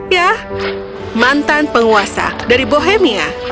ya mantan penguasa dari bohemia